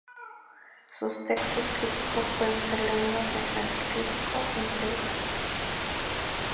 Sus textos críticos pueden ser leídos en y "Anti-crítico", entre otros.